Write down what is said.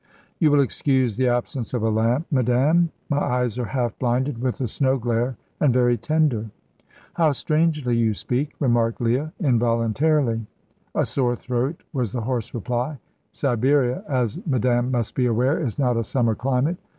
"You will excuse the absence of a lamp, madame. My eyes are half blinded with the snow glare, and very tender." "How strangely you speak!" remarked Leah, involuntarily. "A sore throat," was the hoarse reply. "Siberia, as madame must be aware, is not a summer climate."